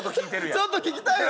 ちょっと聞きたいわ。